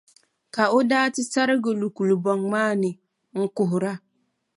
Ka o daa ti bahi sarigi lu kulibɔŋ maa ni n-kuhira.